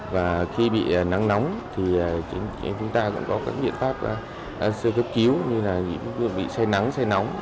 và khi bị nắng nóng thì chúng ta cũng có các biện pháp sơ cấp cứu như là bị say nắng say nóng